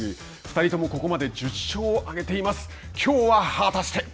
２人ともここまで１０勝を挙げています。